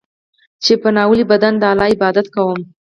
چې په ناولي بدن د الله عبادت کوم.